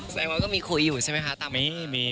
แสดงว่าก็มีคุยอยู่ใช่ไหมคะตามนี้